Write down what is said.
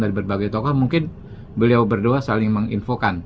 dari berbagai tokoh mungkin beliau berdua saling menginfokan